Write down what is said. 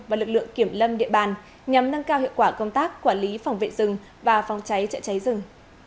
và lực lượng kiểm lâm địa bàn nhằm nâng cao hiệu quả công tác quản lý phòng vệ rừng và phòng cháy chữa cháy rừng